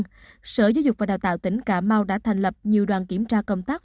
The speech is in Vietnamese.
cơ sở giáo dục và đào tạo tỉnh cà mau đã thành lập nhiều đoàn kiểm tra công tác